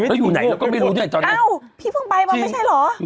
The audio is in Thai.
แล้วอยู่ไหนเราก็ไม่รู้ใช่ไหมตอนนี้เอ้าพี่เพ่อมไปว่าไม่ใช่หรอ